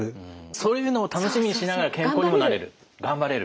そういうのを楽しみにしながら健康にもなれる頑張れるという。